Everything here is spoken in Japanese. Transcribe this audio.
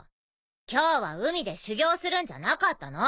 今日は海で修業するんじゃなかったの？